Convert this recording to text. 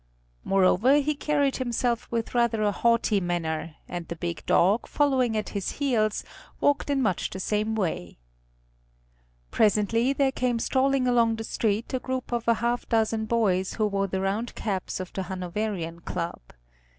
Moreover he carried himself with rather a haughty manner, and the big dog, following at his heels, walked in much the same way. Presently there came strolling along the street a group of a half dozen boys who wore the round caps of the Hanoverian Club.